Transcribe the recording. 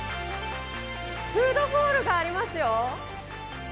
フードホールがありますよ。